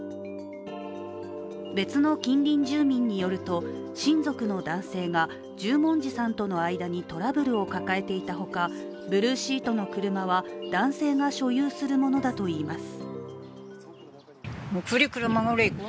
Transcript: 別の近隣住民によると親族の男性が十文字さんとの間にトラブルを抱えていたほか、ブルーシートの車は男性が所有するものだといいます。